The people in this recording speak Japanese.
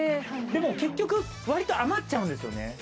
でも結局余っちゃうんですよね。